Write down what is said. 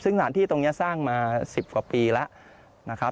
ซึ่งสถานที่ตรงนี้สร้างมา๑๐กว่าปีแล้วนะครับ